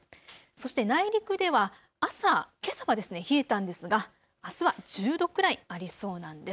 そして内陸では、けさは冷えたんですがあすは１０度くらいありそうなんです。